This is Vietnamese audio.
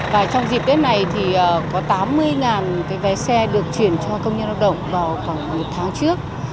và trong dịp tết này thì có tám mươi cái vé xe được chuyển cho công nhân lao động vào khoảng một tháng trước